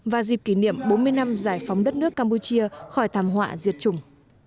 và dịp kỷ niệm bốn mươi năm giải phóng đất nước campuchia khỏi thảm họa diệt chủng